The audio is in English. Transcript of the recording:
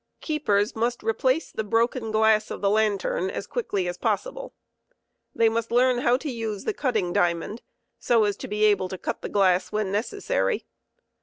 Keepers must replace the broken glass of the lantern as quickly as possible* They must learn bow to nse the cutting diamond, so as to be able to cut the glass when necessary.